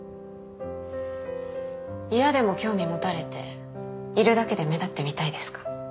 嫌でも興味持たれているだけで目立ってみたいですか？